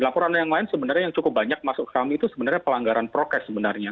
laporan yang lain sebenarnya yang cukup banyak masuk ke kami itu sebenarnya pelanggaran prokes sebenarnya